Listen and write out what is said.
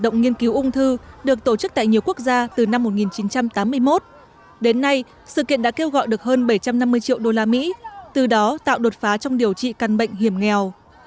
các động nghiên cứu ung thư được tổ chức tại nhiều quốc gia từ năm một nghìn chín trăm tám mươi một đến nay sự kiện đã kêu gọi được hơn bảy trăm năm mươi triệu đô la mỹ từ đó tạo đột phá trong điều trị căn bệnh hiểm nghèo